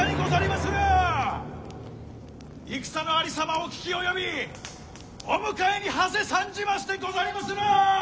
戦のありさまを聞き及びお迎えにはせ参じましてござりまする！